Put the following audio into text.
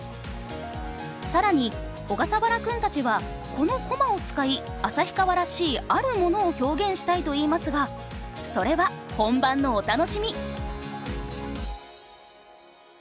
更に小笠原くんたちはこのコマを使い旭川らしいあるものを表現したいと言いますがそれは本番のお楽しみ。